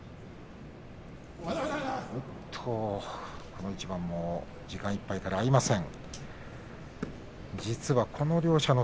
この一番も時間いっぱいから合いません。